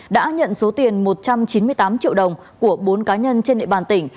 đã nhận số tiền một trăm chín mươi tám triệu đồng của bốn cá nhân trên địa bàn tỉnh